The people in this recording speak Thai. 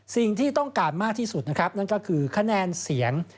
สิ่งที่ต้องการมากที่สุดนะครับนั่นก็คือคะแนนเสียง